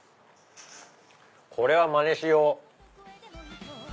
これはまねしよう。